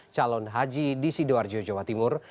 calon haji di sidoarjo jawa timur